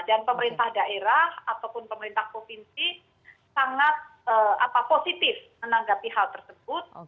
dan pemerintah daerah ataupun pemerintah provinsi sangat positif menanggapi hal itu